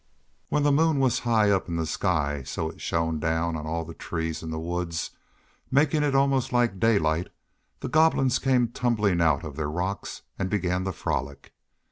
When the moon was high up in the sky so it shone down on all the trees in the woods, making it almost like daylight, the Goblins came tumbling out of their rocks and began their frolic.